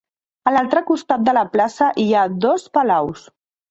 A l'altre costat de la plaça hi ha dos palaus.